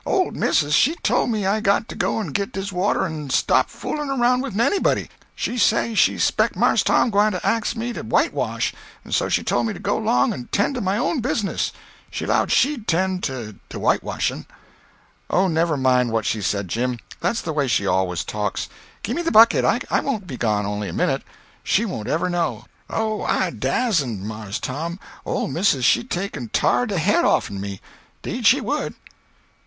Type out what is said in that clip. Ole missis, she tole me I got to go an' git dis water an' not stop foolin' roun' wid anybody. She say she spec' Mars Tom gwine to ax me to whitewash, an' so she tole me go 'long an' 'tend to my own business—she 'lowed she'd 'tend to de whitewashin'." "Oh, never you mind what she said, Jim. That's the way she always talks. Gimme the bucket—I won't be gone only a a minute. She won't ever know." "Oh, I dasn't, Mars Tom. Ole missis she'd take an' tar de head off'n me. 'Deed she would."